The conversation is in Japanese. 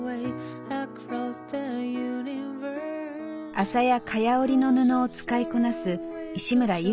麻や蚊帳織の布を使いこなす石村由起子さん。